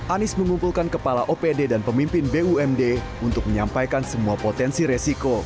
anies mengumpulkan kepala opd dan pemimpin bumd untuk menyampaikan semua potensi resiko